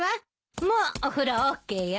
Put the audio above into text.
もうお風呂ＯＫよ。